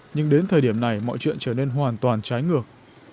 nhưng đến thời điểm này mọi chuyện trở nên hoàn toàn trái ngược